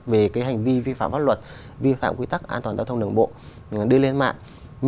về cái hành vi vi phạm pháp luật vi phạm quy tắc an toàn giao thông đường bộ đưa lên mạng